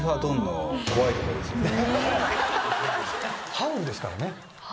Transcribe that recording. ハウルですからね。